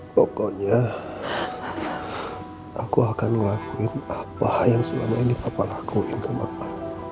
pokoknya aku akan ngelakuin apa yang selama ini papa lakuin kemakan